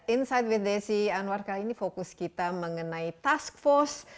insight with desi anwar kali ini fokus kita mengenai task force